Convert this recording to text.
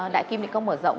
đại kim định công mở rộng